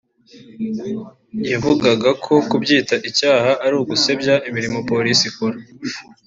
yavugaga ko kubyita icyaha ari ugusebya imirimo Polisi ikora